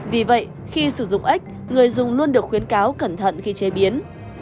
vì vậy khi sử dụng x người dùng luôn được khuyến cáo cẩn thận khi chế biến